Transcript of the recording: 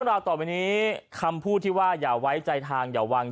ราวต่อไปนี้คำพูดที่ว่าอย่าไว้ใจทางอย่าวาง